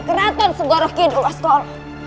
keratan segorokidul askol